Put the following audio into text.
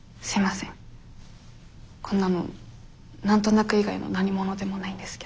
こんなの何となく以外の何物でもないんですけど。